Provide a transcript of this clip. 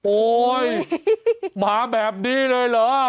โอ๊ยมาแบบนี้เลยเหรอ